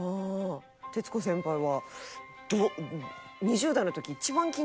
徹子先輩はどう。